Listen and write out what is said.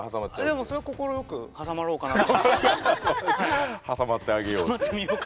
それは快く挟まろうかなと。